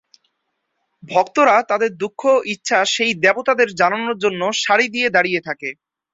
ভক্তরা তাদের দুঃখ ও ইচ্ছা সেই দেবতাদের জানানোর জন্য সারি দিয়ে দাঁড়িয়ে থাকে।